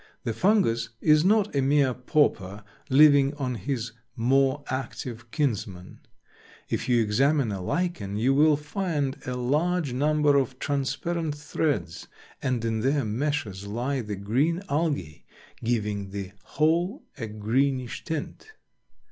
The Fungus is not a mere pauper living on his more active kinsman. If you examine a Lichen you will find a large number of transparent threads, and in their meshes lie the green Algae, giving the whole a greenish tint.